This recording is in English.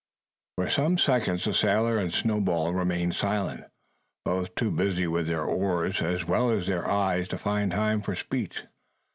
For some seconds the sailor and Snowball remained silent, both too busy with their oars, as well as their eyes, to find time for speech.